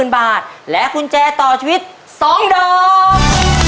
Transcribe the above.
๐๐บาทและกุญแจต่อชีวิต๒ดอก